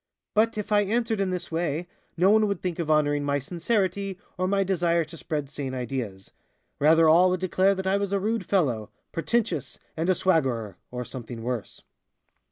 But if I answered in this way, no one would think of honoring my sincerity, or my desire to spread sane ideas rather all would declare that I was a rude fellow, pretentious and a swaggerer, or something worse.